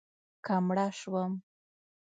که مړه شوم